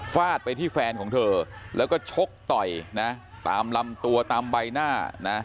ฟาดไปที่แฟนของเธอแล้วก็ชกต่อยนะตามลำตัวตามใบหน้านะ